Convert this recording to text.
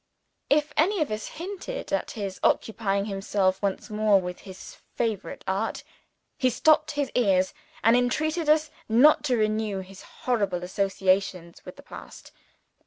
If any of us hinted at his occupying himself once more with his favorite art, he stopped his ears, and entreated us not to renew his horrible associations with the past.